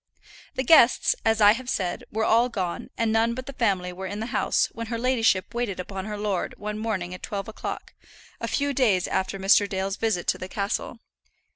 The guests, as I have said, were all gone, and none but the family were in the house when her ladyship waited upon her lord one morning at twelve o'clock, a few days after Mr. Dale's visit to the castle.